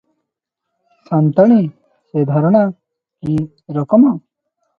ସା’ନ୍ତାଣୀ – ସେ ଧାରଣା କି’ ରକମ?